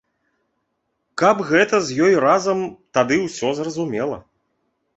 Каб гэта з ёй разам, тады ўсё зразумела.